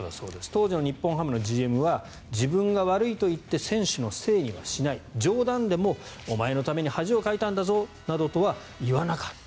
当時の日本ハムのＧＭは自分が悪いと言って選手のせいにはしない冗談でもお前のために恥をかいたんだぞなどとは言わなかった。